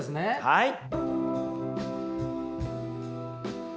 はい。